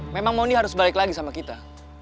memang moni harus balik lagi sama kita